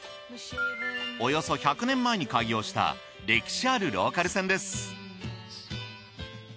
およそ１００年前に開業した歴史あるローカル線です。